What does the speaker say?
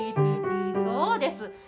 そうです。